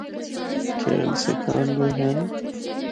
کھیل سکھاندے ہن۔